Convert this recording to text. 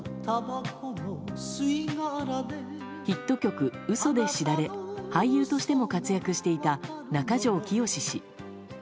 ヒット曲「うそ」で知られ俳優としても活躍していた中条きよし氏。